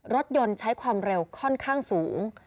รถยนต์ใช้ความเร็วค่อนข้างสูง